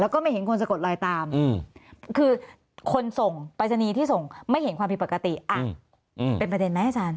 คือคนส่งปริศนีที่ส่งไม่เห็นความผิดปกติเป็นประเด็นไหมอาจารย์